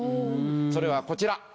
それはこちら。